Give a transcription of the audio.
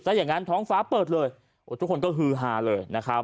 อย่างนั้นท้องฟ้าเปิดเลยทุกคนก็ฮือฮาเลยนะครับ